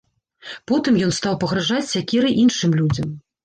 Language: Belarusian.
Потым ён стаў пагражаць сякерай іншым людзям.